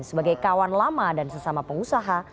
sebagai kawan lama dan sesama pengusaha